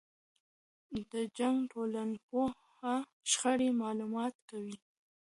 د جنګ ټولنپوهنه شخړې مطالعه کوي.